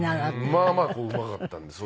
まあまあうまかったんです。